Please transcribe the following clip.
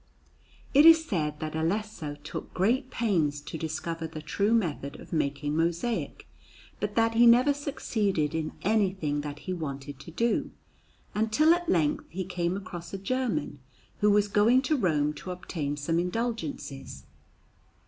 It is said that Alesso took great pains to discover the true method of making mosaic, but that he never succeeded in anything that he wanted to do, until at length he came across a German who was going to Rome to obtain some indulgences.